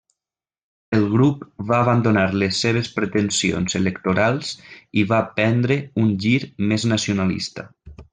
El grup va abandonar les seves pretensions electorals i va prendre un gir més nacionalista.